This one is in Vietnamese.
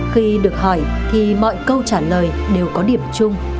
khi được hỏi thì mọi câu trả lời đều có điểm chung